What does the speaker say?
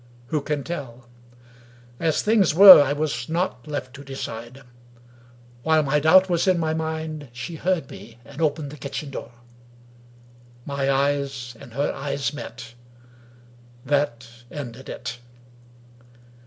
Who can tell? As things were, I was not left to decide. While my doubt was in my mind, she heard me, and opened the kitchen door. My eyes and her eyes met. That ended it.